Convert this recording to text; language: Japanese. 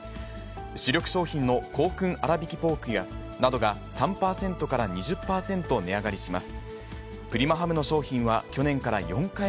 主力商品の香薫あらびきポークや、などが３％から２０％値上がりします。